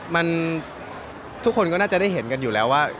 มันทุกคนก็น่าจะได้เห็นกันอยู่แล้วว่า